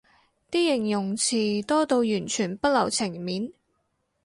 啲形容詞多到完全不留情面